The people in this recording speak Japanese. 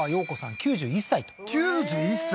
９１歳と９１歳？